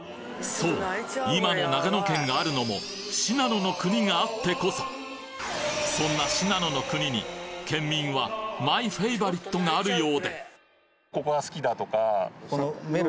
そう今の長野県があるのもそんな『信濃の国』に県民はマイフェイバリットがあるようでここが好きだとか。